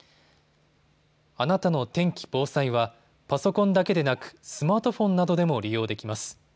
あなたの天気・防災はパソコンだけでなくスマートフォンなどでも利用できます。